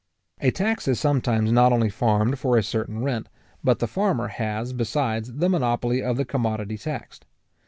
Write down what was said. A tax is sometimes not only farmed for a certain rent, but the farmer has, besides, the monopoly of the commodity taxed.